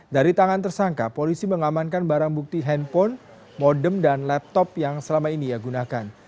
dari tangan tersangka polisi mengamankan barang bukti handphone modem dan laptop yang selama ini ia gunakan